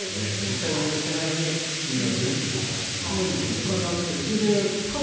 実際に運用してないのに運用するといってお金を集めていますから。